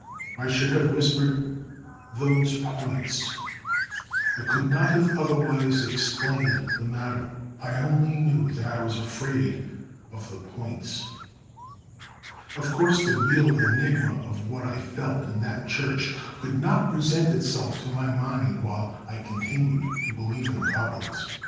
I should have whispered, "Those points!" I could not have otherwise explained the matter: I only knew that I was afraid of the "points." Of course the real enigma of what I felt in that church could not present itself to my mind while I continued to believe in goblins.